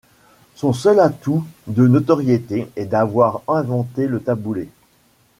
Son seul atout de notoriété est d'avoir inventé le taboulé.